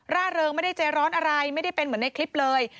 ร่าเริงไม่ได้ใจร้อนอะไรไม่ได้เป็นเหมือนในคลิปเลย